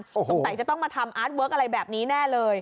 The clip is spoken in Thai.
สงสัยจะต้องมาทำอาร์ตเวิร์คอะไรแบบนี้แน่เลย